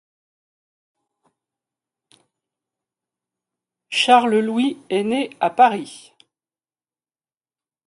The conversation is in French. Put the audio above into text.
Charles Louis est né le à Paris.